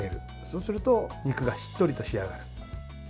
そうすると肉がしっとりと仕上がる。